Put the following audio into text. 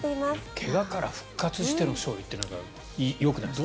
怪我から復活しての勝利ってなんかよくないですか。